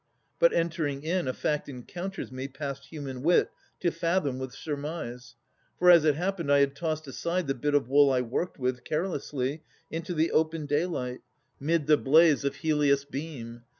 But, entering in, a fact encounters me Past human wit to fathom with surmise. For, as it happened, I had tossed aside The bit of wool I worked with, carelessly, Into the open daylight, 'mid the blaze Of Helios' beam.